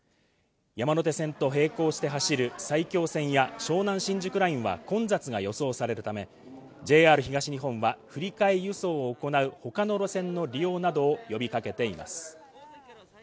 山手線と並行して走る埼京線や湘南新宿ラインは混雑が予想されるためＪＲ東日本は振り替え輸送を行うほかの路線の利用などを呼びかけています。